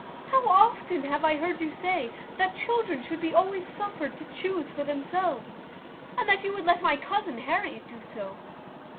How often have I heard you say, that children should be always suffered to chuse for themselves, and that you would let my cousin Harriet do so?"